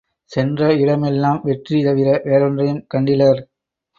சென்ற இடம் எல்லாம் வெற்றி தவிர வேறொன்றையும் கண்டிலர்.